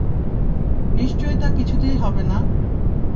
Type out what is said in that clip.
নিশ্চয় তা কিছুতেই হবে না।